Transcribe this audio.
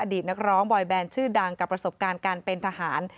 นักร้องบอยแบนชื่อดังกับประสบการณ์การเป็นทหาร